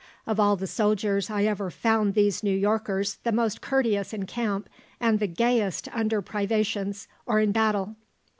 Of all the soldiers I ever found these New Yorkers the most courteous in camp and the gayest under privations or in battle.